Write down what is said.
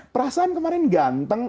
perasaan kemarin ganteng